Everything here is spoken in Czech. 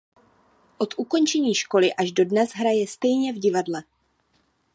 Od ukončení školy až dodnes hraje stejně v divadle.